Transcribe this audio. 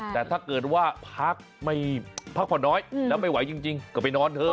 แต่ถ้าเกิดว่าพักไม่พักผ่อนน้อยแล้วไม่ไหวจริงก็ไปนอนเถอะ